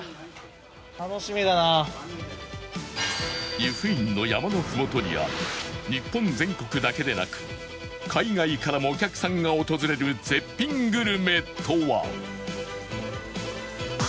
湯布院の山のふもとにある日本全国だけでなく海外からもお客さんが訪れる絶品グルメとは？